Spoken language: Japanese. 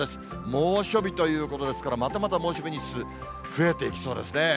猛暑日ということですから、またまた猛暑日日数、増えていきそうですね。